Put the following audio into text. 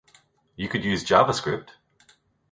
You could use JavaScript